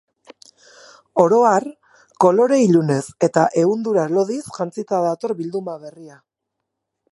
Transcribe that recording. Oro har, kolore ilunez eta ehundura lodiz jantzita dator bilduma berria.